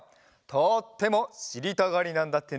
とってもしりたがりなんだってね。